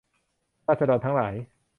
ราษฎรทั้งหลาย